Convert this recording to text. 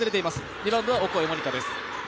リバウンドはオコエ桃仁花です。